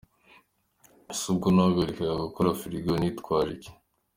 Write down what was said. Ese ubwo nahagarika gukora firigo nitwaje iki ?”.